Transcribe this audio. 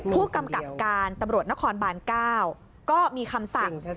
ผู้กำกับการตำรวจนครบาน๙ก็มีคำสั่ง